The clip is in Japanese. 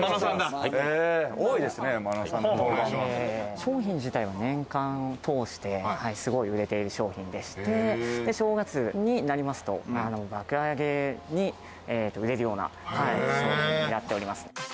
商品自体は年間を通して売れている商品でして、正月になると爆上げに売れるような商品です。